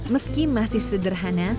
meski masih sederhana